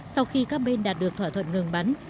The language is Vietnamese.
sau khi các bên đạt được thỏa thuận ngừng bắn